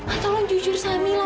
eh tolong jujur sama mila